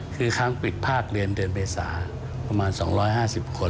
คือครั้งปิดภาคเรียนเดือนเมษาประมาณ๒๕๐คน